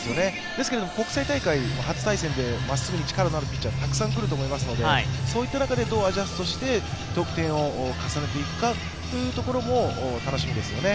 ですけれども国際大会はまっすぐで力のある選手、たくさん来ると思いますので、そういった中でどうアジャストして得点を重ねていくかというところも楽しみですよね。